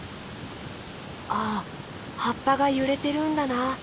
あはっぱがゆれてるんだな。